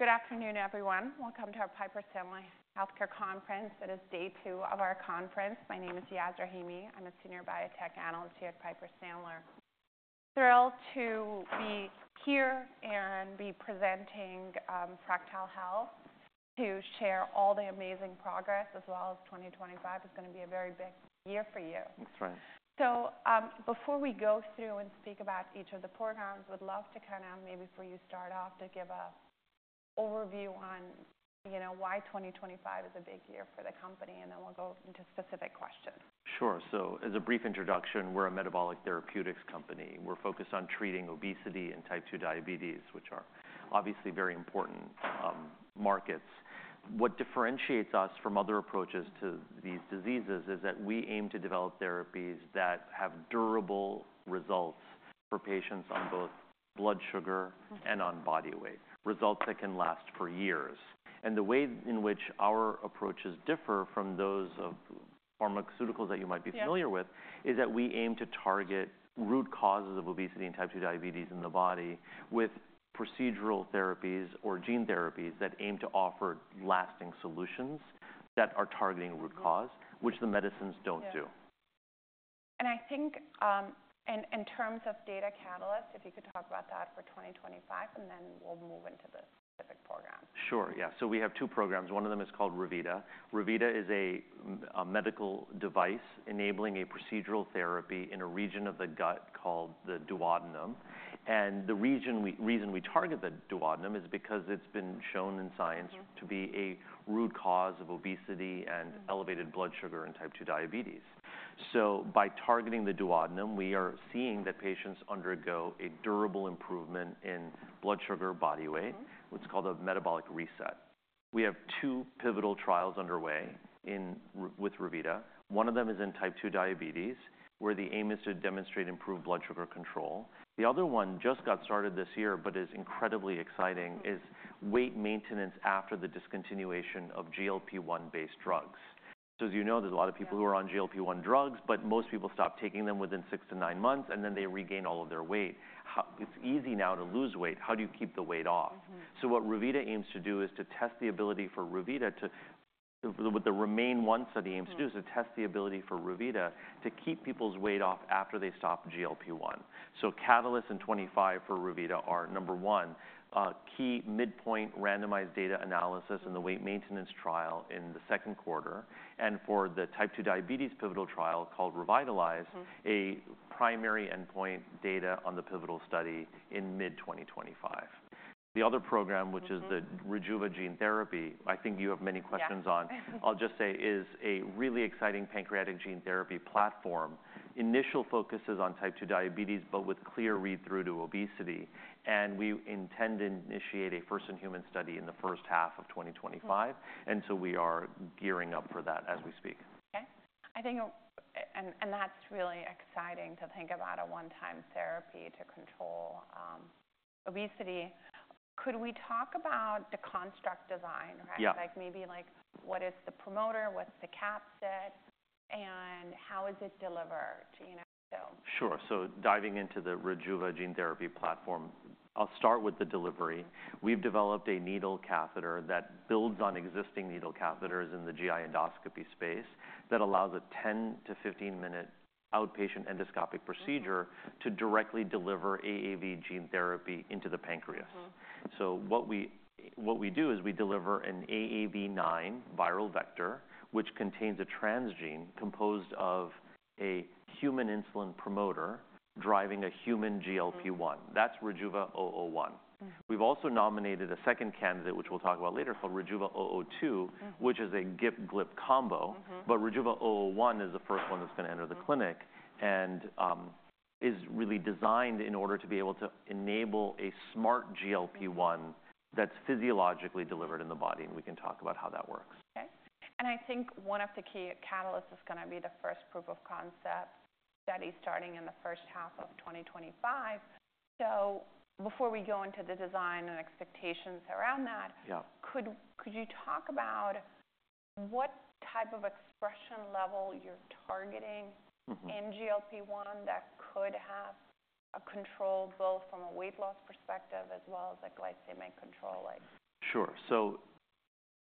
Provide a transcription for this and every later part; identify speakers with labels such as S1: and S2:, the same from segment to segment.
S1: Good afternoon, everyone. Welcome to our Piper Sandler Healthcare Conference. It is day two of our conference. My name is Yasmeen Rahimi. I'm a senior biotech analyst here at Piper Sandler. Thrilled to be here and be presenting Fractyl Health, to share all the amazing progress, as well as 2025 is going to be a very big year for you.
S2: That's right.
S1: So, before we go through and speak about each of the programs, we'd love to kind of, maybe for you to start off, to give an overview on why 2025 is a big year for the company, and then we'll go into specific questions.
S2: Sure. So as a brief introduction, we're a metabolic therapeutics company. We're focused on treating obesity and Type 2 diabetes, which are obviously very important markets. What differentiates us from other approaches to these diseases is that we aim to develop therapies that have durable results for patients on both blood sugar and on body weight, results that can last for years. And the way in which our approaches differ from those of pharmaceuticals that you might be familiar with is that we aim to target root causes of obesity and Type 2 diabetes in the body with procedural therapies or gene therapies that aim to offer lasting solutions that are targeting root cause, which the medicines don't do.
S1: I think in terms of data catalysts, if you could talk about that for 2025, and then we'll move into the specific program.
S2: Sure. Yeah. So we have two programs. One of them is called Revita. Revita is a medical device enabling a procedural therapy in a region of the gut called the duodenum. And the reason we target the duodenum is because it's been shown in science to be a root cause of obesity and elevated blood sugar and Type 2 diabetes. So by targeting the duodenum, we are seeing that patients undergo a durable improvement in blood sugar, body weight, what's called a metabolic reset. We have two pivotal trials underway with Revita. One of them is in Type 2 diabetes, where the aim is to demonstrate improved blood sugar control. The other one just got started this year, but is incredibly exciting, is weight maintenance after the discontinuation of GLP-1 based drugs. So as you know, there's a lot of people who are on GLP-1 drugs, but most people stop taking them within six to nine months, and then they regain all of their weight. It's easy now to lose weight. How do you keep the weight off? So what the Remain-1 study aims to do is to test the ability for Revita to keep people's weight off after they stop GLP-1. So catalysts in 2025 for Revita are, number one, key midpoint randomized data analysis and the weight maintenance trial in the second quarter. And for the Type 2 diabetes pivotal trial called Revitalize-1, a primary endpoint data on the pivotal study in mid-2025. The other program, which is the Rejuva gene therapy, I think you have many questions on, I'll just say, is a really exciting pancreatic gene therapy platform. Initial focus is on Type 2 diabetes, but with clear read-through to obesity. And we intend to initiate a first-in-human study in the first half of 2025. And so we are gearing up for that as we speak.
S1: Okay. I think, and that's really exciting to think about a one-time therapy to control obesity. Could we talk about the construct design, right?
S2: Yeah.
S1: Like maybe like what is the promoter, what's the capsid, and how is it delivered?
S2: Sure. So diving into the Rejuva gene therapy platform, I'll start with the delivery. We've developed a needle catheter that builds on existing needle catheters in the GI endoscopy space that allows a 10-15-minute outpatient endoscopic procedure to directly deliver AAV gene therapy into the pancreas. So what we do is we deliver an AAV9 viral vector, which contains a transgene composed of a human insulin promoter driving a human GLP-1. That's Rejuva 001. We've also nominated a second candidate, which we'll talk about later, called Rejuva 002, which is a GIP-GLP combo. But Rejuva 001 is the first one that's going to enter the clinic and is really designed in order to be able to enable a smart GLP-1 that's physiologically delivered in the body. And we can talk about how that works.
S1: Okay, and I think one of the key catalysts is going to be the first proof of concept study starting in the first half of 2025, so before we go into the design and expectations around that, could you talk about what type of expression level you're targeting in GLP-1 that could have a control both from a weight loss perspective as well as a glycemic control?
S2: Sure. So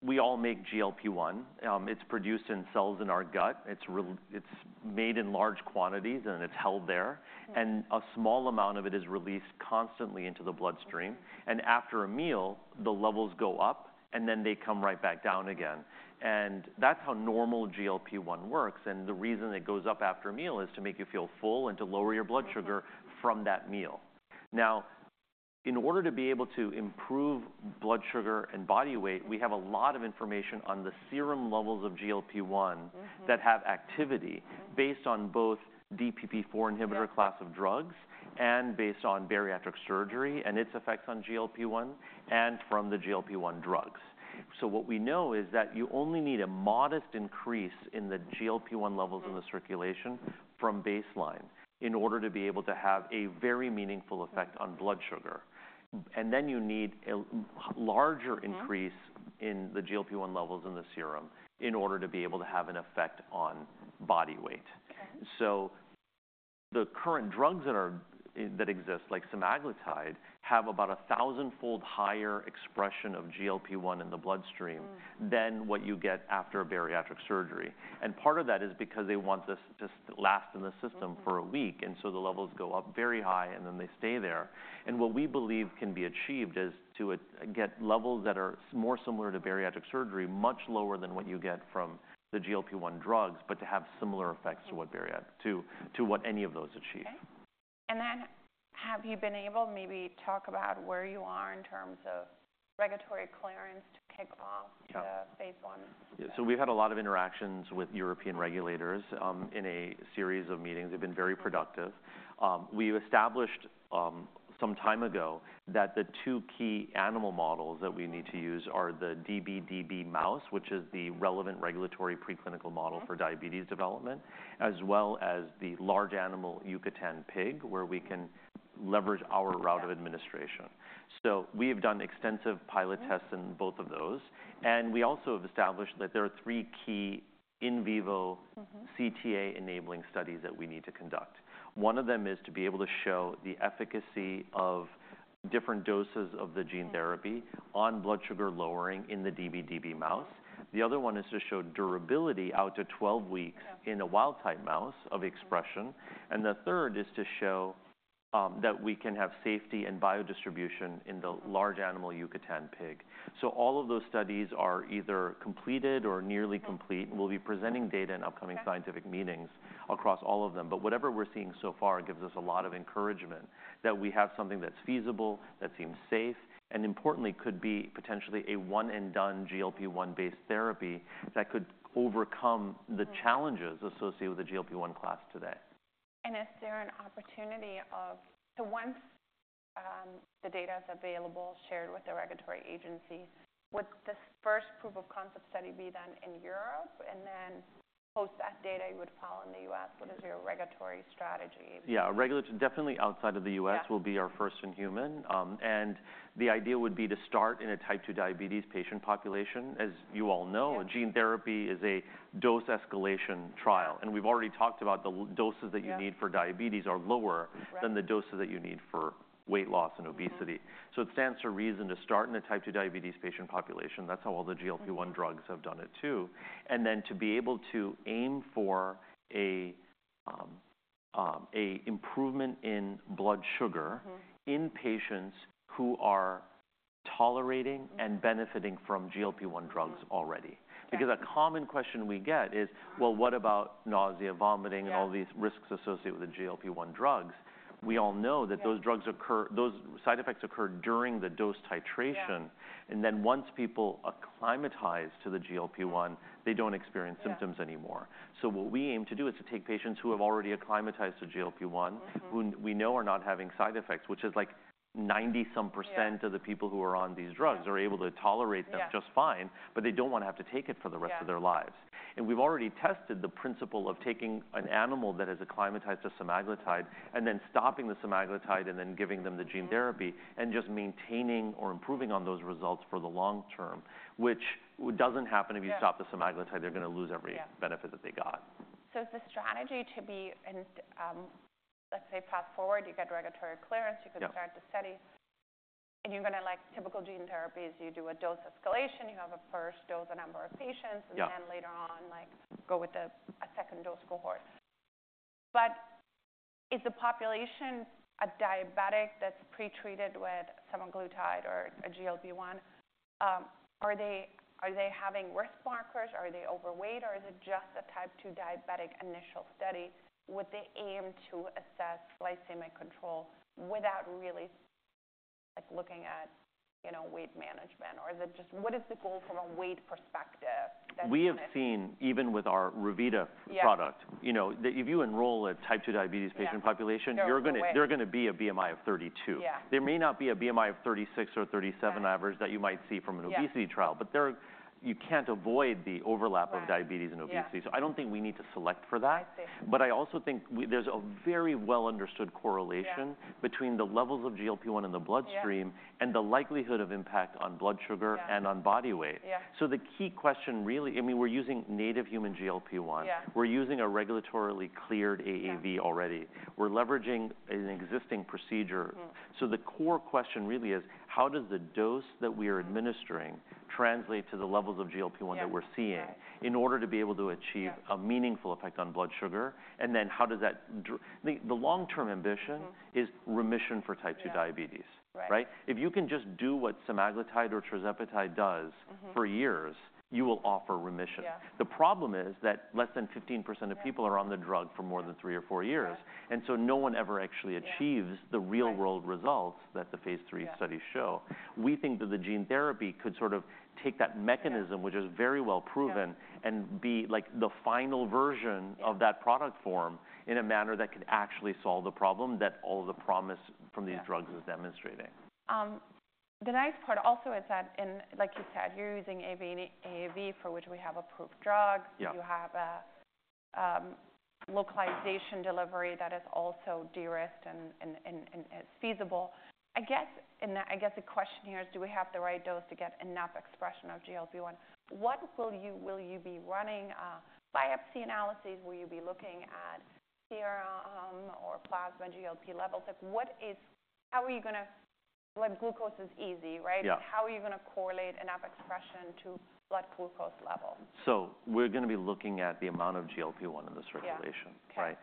S2: we all make GLP-1. It's produced in cells in our gut. It's made in large quantities, and it's held there. And a small amount of it is released constantly into the bloodstream. And after a meal, the levels go up, and then they come right back down again. And that's how normal GLP-1 works. And the reason it goes up after a meal is to make you feel full and to lower your blood sugar from that meal. Now, in order to be able to improve blood sugar and body weight, we have a lot of information on the serum levels of GLP-1 that have activity based on both DPP-4 inhibitor class of drugs and based on bariatric surgery and its effects on GLP-1 and from the GLP-1 drugs. So what we know is that you only need a modest increase in the GLP-1 levels in the circulation from baseline in order to be able to have a very meaningful effect on blood sugar. And then you need a larger increase in the GLP-1 levels in the serum in order to be able to have an effect on body weight. So the current drugs that exist, like semaglutide, have about a thousand-fold higher expression of GLP-1 in the bloodstream than what you get after a bariatric surgery. And part of that is because they want this to last in the system for a week. And so the levels go up very high, and then they stay there. What we believe can be achieved is to get levels that are more similar to bariatric surgery, much lower than what you get from the GLP-1 drugs, but to have similar effects to what any of those achieve.
S1: Okay. And then have you been able to maybe talk about where you are in terms of regulatory clearance to kick off the Phase 1?
S2: Yeah. So we've had a lot of interactions with European regulators in a series of meetings. They've been very productive. We established some time ago that the two key animal models that we need to use are the db/db mouse, which is the relevant regulatory preclinical model for diabetes development, as well as the large animal Yucatan pig, where we can leverage our route of administration. So we have done extensive pilot tests in both of those. And we also have established that there are three key in vivo CTA enabling studies that we need to conduct. One of them is to be able to show the efficacy of different doses of the gene therapy on blood sugar lowering in the db/db mouse. The other one is to show durability out to 12 weeks in a wild-type mouse of expression. And the third is to show that we can have safety and biodistribution in the large animal Yucatan pig. So all of those studies are either completed or nearly complete, and we'll be presenting data in upcoming scientific meetings across all of them. But whatever we're seeing so far gives us a lot of encouragement that we have something that's feasible, that seems safe, and importantly, could be potentially a one-and-done GLP-1 based therapy that could overcome the challenges associated with the GLP-1 class today.
S1: And is there an opportunity of, so once the data is available, shared with the regulatory agency, would this first proof of concept study be done in Europe? And then post that data, you would follow in the U.S.? What is your regulatory strategy?
S2: Yeah. Regulatory definitely outside of the U.S. will be our first in human, and the idea would be to start in a Type 2 diabetes patient population. As you all know, gene therapy is a dose escalation trial, and we've already talked about the doses that you need for diabetes are lower than the doses that you need for weight loss and obesity. So it stands to reason to start in a Type 2 diabetes patient population. That's how all the GLP-1 drugs have done it too, and then to be able to aim for an improvement in blood sugar in patients who are tolerating and benefiting from GLP-1 drugs already. Because a common question we get is, well, what about nausea, vomiting, and all these risks associated with the GLP-1 drugs? We all know that those side effects occur during the dose titration. Then once people acclimatize to the GLP-1, they don't experience symptoms anymore. What we aim to do is to take patients who have already acclimatized to GLP-1, who we know are not having side effects, which is like 90-some% of the people who are on these drugs are able to tolerate them just fine, but they don't want to have to take it for the rest of their lives. We've already tested the principle of taking an animal that has acclimatized to semaglutide and then stopping the semaglutide and then giving them the gene therapy and just maintaining or improving on those results for the long term, which doesn't happen if you stop the semaglutide. They're going to lose every benefit that they got.
S1: So, is the strategy to be, let's say, fast forward, you get regulatory clearance, you can start the study, and you're going to, like typical gene therapies, you do a dose escalation, you have a first dose, a number of patients, and then later on, go with a second dose cohort, but is the population, a diabetic that's pretreated with semaglutide or a GLP-1, are they having risk markers? Are they overweight? Or is it just a Type 2 diabetic initial study with the aim to assess glycemic control without really looking at weight management? Or is it just, what is the goal from a weight perspective?
S2: We have seen, even with our Revita product, if you enroll a type 2 diabetes patient population, they're going to be a BMI of 32. There may not be a BMI of 36 or 37 average that you might see from an obesity trial, but you can't avoid the overlap of diabetes and obesity. So I don't think we need to select for that. But I also think there's a very well-understood correlation between the levels of GLP-1 in the bloodstream and the likelihood of impact on blood sugar and on body weight. So the key question really, I mean, we're using native human GLP-1. We're using a regulatorily cleared AAV already. We're leveraging an existing procedure. So the core question really is, how does the dose that we are administering translate to the levels of GLP-1 that we're seeing in order to be able to achieve a meaningful effect on blood sugar? And then how does that, the long-term ambition is remission for Type 2 diabetes, right? If you can just do what semaglutide or tirzepatide does for years, you will offer remission. The problem is that less than 15% of people are on the drug for more than three or four years. And so no one ever actually achieves the real-world results that the Phase 3 studies show. We think that the gene therapy could sort of take that mechanism, which is very well proven, and be like the final version of that product form in a manner that could actually solve the problem that all of the promise from these drugs is demonstrating.
S1: The nice part also is that, like you said, you're using AAV for which we have approved drugs. You have a localized delivery that is also de-risked and is feasible. I guess the question here is, do we have the right dose to get enough expression of GLP-1? What will you be running? Biopsy analyses? Will you be looking at serum or plasma GLP levels? How are you going to, like glucose is easy, right? How are you going to correlate enough expression to blood glucose level?
S2: We're going to be looking at the amount of GLP-1 in the circulation, right?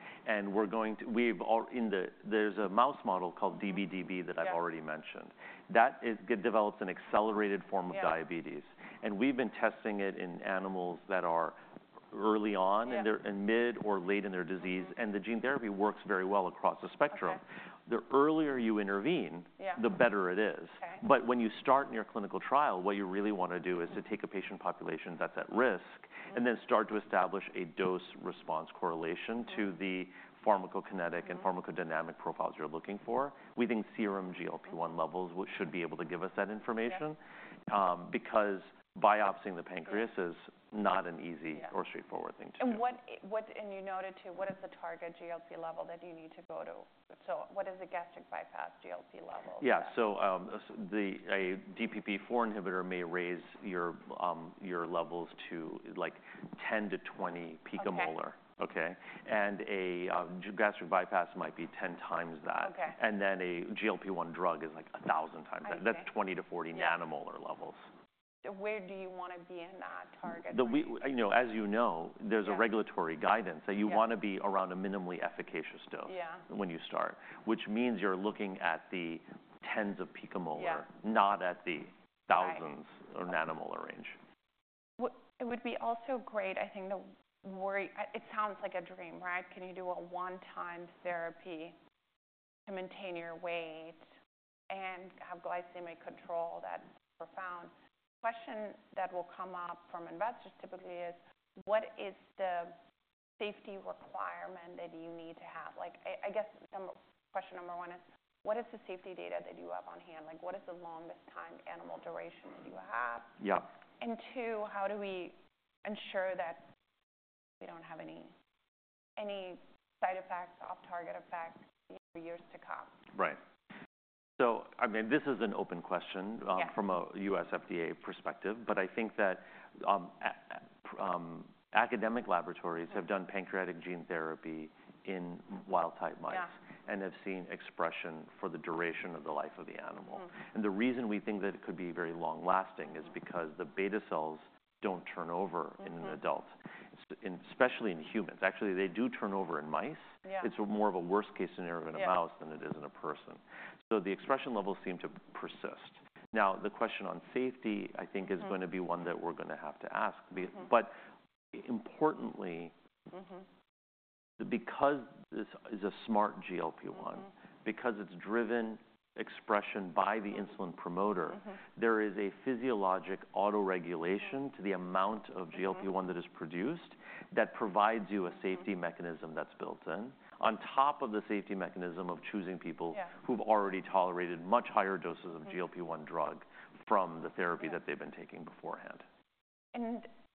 S2: There's a mouse model called db/db that I've already mentioned. That develops an accelerated form of diabetes. We've been testing it in animals that are early on and mid or late in their disease. The gene therapy works very well across the spectrum. The earlier you intervene, the better it is. But when you start in your clinical trial, what you really want to do is to take a patient population that's at risk and then start to establish a dose response correlation to the pharmacokinetic and pharmacodynamic profiles you're looking for. We think serum GLP-1 levels should be able to give us that information because biopsying the pancreas is not an easy or straightforward thing to do.
S1: And you noted too, what is the target GLP level that you need to go to? So what is the gastric bypass GLP level?
S2: Yeah. So a DPP-4 inhibitor may raise your levels to like 10 to 20 picomolar, okay? And a gastric bypass might be 10 times that. And then a GLP-1 drug is like 1,000 times that. That's 20 to 40 nanomolar levels.
S1: Where do you want to be in that target?
S2: You know, as you know, there's a regulatory guidance that you want to be around a minimally efficacious dose when you start, which means you're looking at the tens of picomolar, not at the thousands or nanomolar range.
S1: It would be also great, I think. It sounds like a dream, right? Can you do a one-time therapy to maintain your weight and have glycemic control that's profound? Question that will come up from investors typically is, what is the safety requirement that you need to have? I guess question number one is, what is the safety data that you have on hand? What is the longest time animal duration that you have? Yeah. And two, how do we ensure that we don't have any side effects, off-target effects years to come?
S2: Right. So I mean, this is an open question from a U.S. FDA perspective, but I think that academic laboratories have done pancreatic gene therapy in wild-type mice and have seen expression for the duration of the life of the animal. And the reason we think that it could be very long-lasting is because the beta cells don't turn over in an adult, especially in humans. Actually, they do turn over in mice. It's more of a worst-case scenario in a mouse than it is in a person. So the expression levels seem to persist. Now, the question on safety, I think, is going to be one that we're going to have to ask. But importantly, because this is a smart GLP-1, because it's driven expression by the insulin promoter, there is a physiologic autoregulation to the amount of GLP-1 that is produced that provides you a safety mechanism that's built in on top of the safety mechanism of choosing people who've already tolerated much higher doses of GLP-1 drug from the therapy that they've been taking beforehand.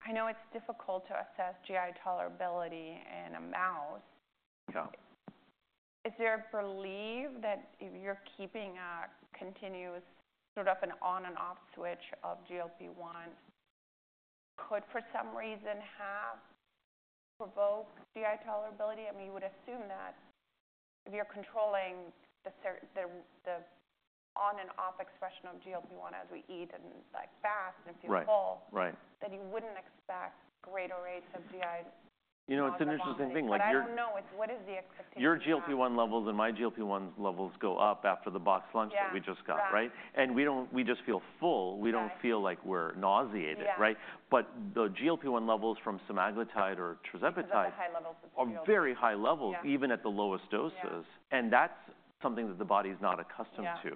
S1: I know it's difficult to assess GI tolerability in a mouse. Is there a belief that if you're keeping a continuous sort of an on-and-off switch of GLP-1, could for some reason have provoked GI tolerability? I mean, you would assume that if you're controlling the on-and-off expression of GLP-1 as we eat and fast and feel full, then you wouldn't expect greater rates of GI.
S2: You know, it's an interesting thing.
S1: But I don't know. What is the expectation?
S2: Your GLP-1 levels and my GLP-1 levels go up after the box lunch that we just got, right? And we just feel full. We don't feel like we're nauseated, right? But the GLP-1 levels from semaglutide or tirzepatide are very high levels, even at the lowest doses. And that's something that the body is not accustomed to.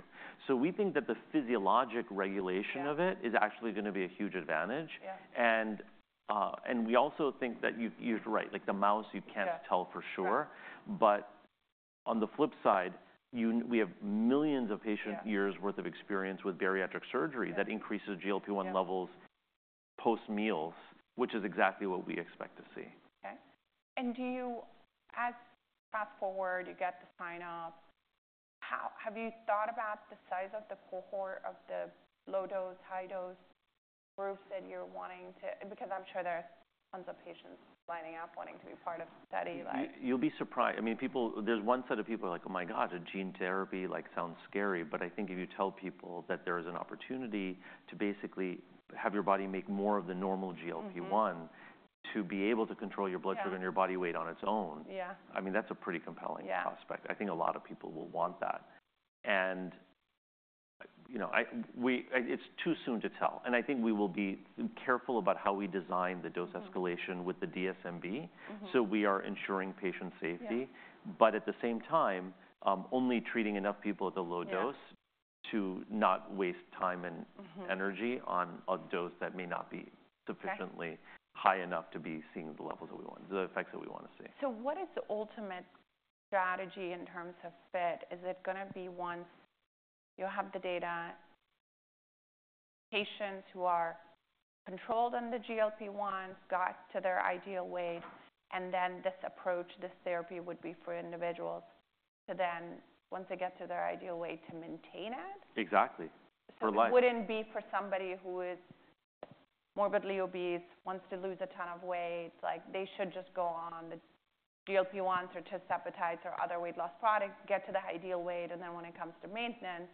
S2: So we think that the physiologic regulation of it is actually going to be a huge advantage. And we also think that you're right, like the mouse, you can't tell for sure. But on the flip side, we have millions of patient years' worth of experience with bariatric surgery that increases GLP-1 levels post-meals, which is exactly what we expect to see.
S1: Do you, as fast forward, you get the sign-up, have you thought about the size of the cohort of the low-dose, high-dose groups that you're wanting to, because I'm sure there's tons of patients lining up wanting to be part of the study?
S2: You'll be surprised. I mean, there's one set of people who are like, "Oh my God, a gene therapy sounds scary." But I think if you tell people that there is an opportunity to basically have your body make more of the normal GLP-1 to be able to control your blood sugar and your body weight on its own, I mean, that's a pretty compelling prospect. I think a lot of people will want that. And it's too soon to tell. And I think we will be careful about how we design the dose escalation with the DSMB. So we are ensuring patient safety, but at the same time, only treating enough people at the low dose to not waste time and energy on a dose that may not be sufficiently high enough to be seeing the levels that we want, the effects that we want to see.
S1: So what is the ultimate strategy in terms of fit? Is it going to be once you have the data, patients who are controlled on the GLP-1, got to their ideal weight, and then this approach, this therapy would be for individuals to then, once they get to their ideal weight, to maintain it?
S2: Exactly.
S1: It wouldn't be for somebody who is morbidly obese, wants to lose a ton of weight, like they should just go on the GLP-1s or tirzepatides or other weight loss products, get to the ideal weight, and then when it comes to maintenance,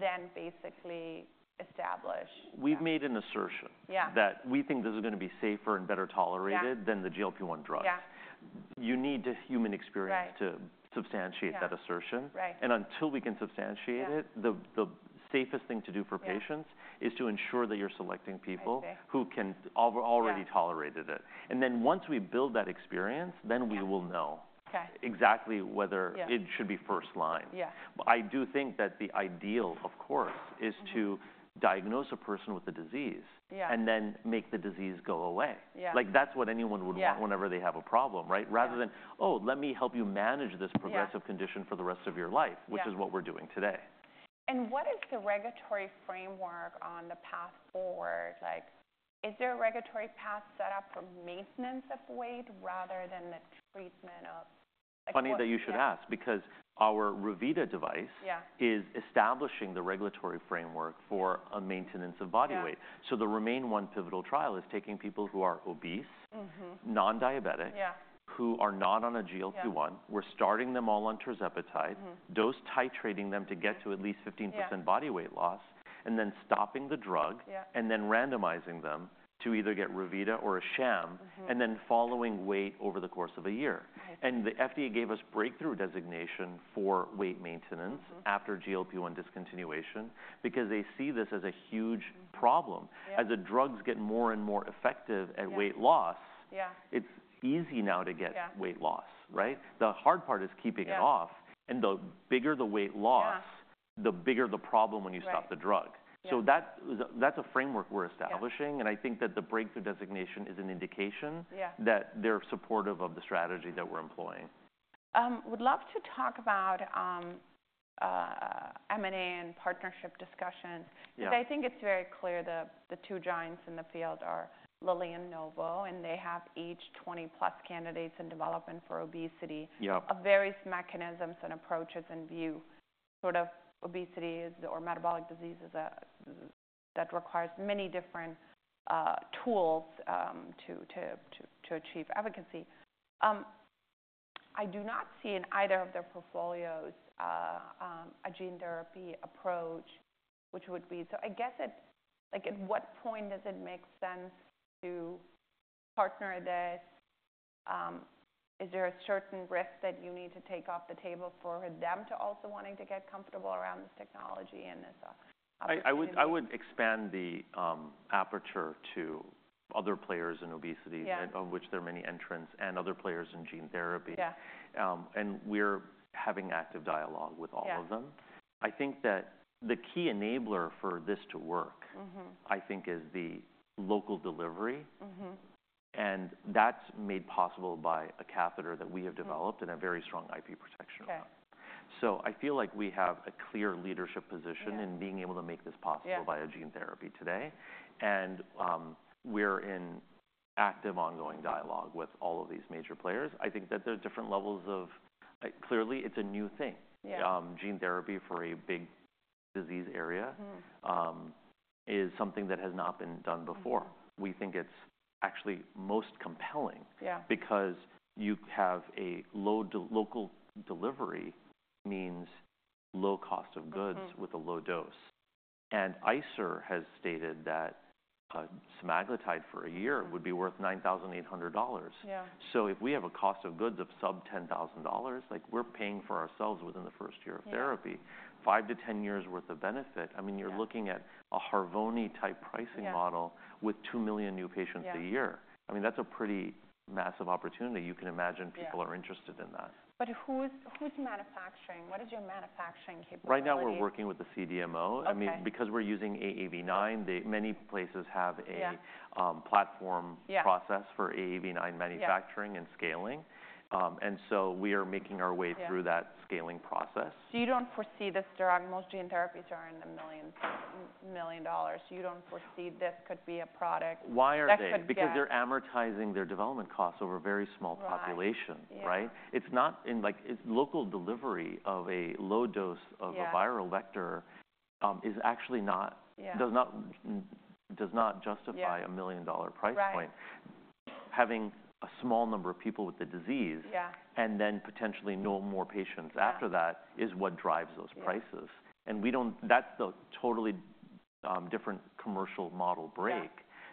S1: then basically establish.
S2: We've made an assertion that we think this is going to be safer and better tolerated than the GLP-1 drug. You need human experience to substantiate that assertion. And until we can substantiate it, the safest thing to do for patients is to ensure that you're selecting people who can already tolerate it. And then once we build that experience, then we will know exactly whether it should be first line. I do think that the ideal, of course, is to diagnose a person with the disease and then make the disease go away. Like that's what anyone would want whenever they have a problem, right? Rather than, "Oh, let me help you manage this progressive condition for the rest of your life," which is what we're doing today.
S1: What is the regulatory framework on the path forward? Like, is there a regulatory path set up for maintenance of weight rather than the treatment of?
S2: Funny that you should ask, because our Revita device is establishing the regulatory framework for maintenance of body weight. So the Remain-1 pivotal trial is taking people who are obese, non-diabetic, who are not on a GLP-1. We're starting them all on tirzepatide, dose titrating them to get to at least 15% body weight loss, and then stopping the drug, and then randomizing them to either get Revita or a sham, and then following weight over the course of a year. And the FDA gave us breakthrough designation for weight maintenance after GLP-1 discontinuation because they see this as a huge problem. As the drugs get more and more effective at weight loss, it's easy now to get weight loss, right? The hard part is keeping it off. And the bigger the weight loss, the bigger the problem when you stop the drug. So that's a framework we're establishing. I think that the breakthrough designation is an indication that they're supportive of the strategy that we're employing.
S1: Would love to talk about M&A and partnership discussions because I think it's very clear the two giants in the field are Lilly and Novo, and they have each 20-plus candidates in development for obesity, of various mechanisms and approaches and view sort of obesity or metabolic diseases that requires many different tools to achieve efficacy. I do not see in either of their portfolios a gene therapy approach, which would be, so I guess at what point does it make sense to partner this? Is there a certain risk that you need to take off the table for them to also wanting to get comfortable around this technology and this?
S2: I would expand the aperture to other players in obesity, of which there are many entrants, and other players in gene therapy. And we're having active dialogue with all of them. I think that the key enabler for this to work, I think, is the local delivery. And that's made possible by a catheter that we have developed and a very strong IP protection around. So I feel like we have a clear leadership position in being able to make this possible by a gene therapy today. And we're in active, ongoing dialogue with all of these major players. I think that there are different levels of, clearly, it's a new thing. Gene therapy for a big disease area is something that has not been done before. We think it's actually most compelling because you have a local delivery means low cost of goods with a low dose. ICER has stated that semaglutide for a year would be worth $9,800. So if we have a cost of goods of sub $10,000, like we're paying for ourselves within the first year of therapy, five to 10 years' worth of benefit, I mean, you're looking at a Harvoni-type pricing model with two million new patients a year. I mean, that's a pretty massive opportunity. You can imagine people are interested in that.
S1: But who's manufacturing? What is your manufacturing capability?
S2: Right now, we're working with the CDMO. I mean, because we're using AAV9, many places have a platform process for AAV9 manufacturing and scaling. And so we are making our way through that scaling process.
S1: So, you don't foresee this direct. Most gene therapies are in the millions of dollars. You don't foresee this could be a product that could go.
S2: Why are they? Because they're amortizing their development costs over very small populations, right? It's not like local delivery of a low dose of a viral vector does not justify a million-dollar price point. Having a small number of people with the disease and then potentially no more patients after that is what drives those prices, and that's the totally different commercial model break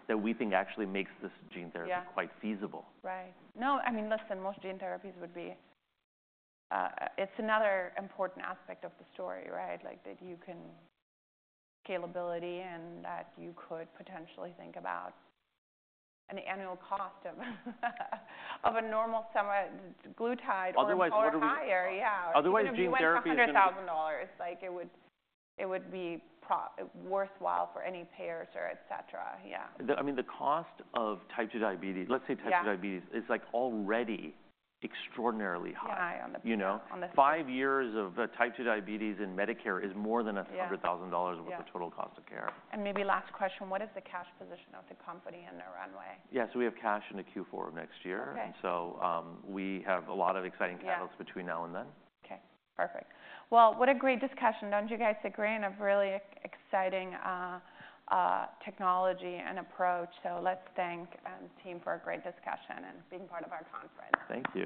S2: that we think actually makes this gene therapy quite feasible.
S1: Right. No, I mean, listen, most gene therapies would be, it's another important aspect of the story, right? Like that you can scalability and that you could potentially think about an annual cost of a semaglutide or a higher.
S2: Otherwise, gene therapy would be.
S1: $100,000. Like it would be worthwhile for any payer, et cetera. Yeah.
S2: I mean, the cost of Type 2 diabetes, let's say Type 2 diabetes, is like already extraordinarily high.
S1: High on the path.
S2: Five years of Type 2 diabetes in Medicare is more than $100,000 worth of total cost of care.
S1: Maybe last question, what is the cash position of the company and their runway?
S2: Yeah, so we have cash in the Q4 of next year, and so we have a lot of exciting catalysts between now and then.
S1: Okay. Perfect. Well, what a great discussion. Don't you guys agree on a really exciting technology and approach? So let's thank the team for a great discussion and being part of our conference.
S2: Thank you.